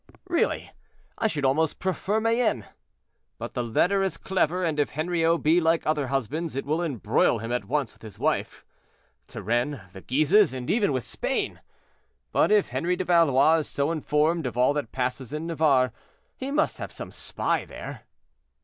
Really, I should almost prefer Mayenne. But the letter is clever, and if Henriot be like other husbands, it will embroil him at once with his wife, Turenne, the Guises, and even with Spain. But if Henri de Valois is so well informed of all that passes in Navarre, he must have some spy there.